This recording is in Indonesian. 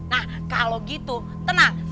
nah kalo gitu tenang